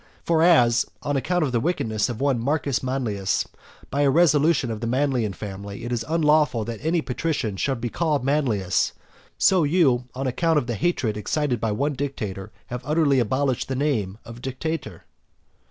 For as, on account of the wickedness of one Marcus Manlius, by a resolution of the Manlian family it is unlawful that any patrician should be called Manlius, so you, on account of the hatred excited by one dictator, have utterly abolished the name of dictator.